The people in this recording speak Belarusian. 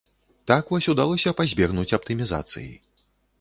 Так вось удалося пазбегнуць аптымізацыі.